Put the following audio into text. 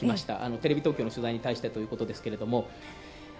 テレビ東京の取材に対してということですけれども。